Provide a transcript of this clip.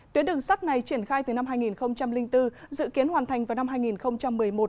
tuyến đường sắt này triển khai từ năm hai nghìn bốn dự kiến hoàn thành vào năm hai nghìn một mươi một